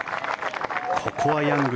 ここはヤング。